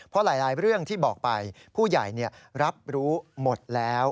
เพราะหลายเรื่องที่บอกไปผู้ใหญ่รับรู้หมดแล้ว